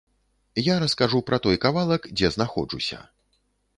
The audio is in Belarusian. Я раскажу пра той кавалак, дзе знаходжуся.